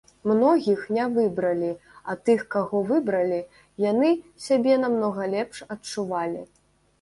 Многіх не выбралі, а тых каго выбралі, яны сябе намнога лепш адчувалі.